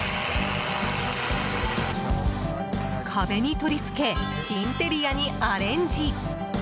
壁に取り付けインテリアにアレンジ。